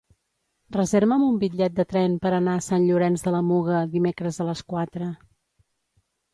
Reserva'm un bitllet de tren per anar a Sant Llorenç de la Muga dimecres a les quatre.